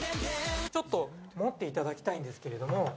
ちょっと持っていただきたいんですけれども。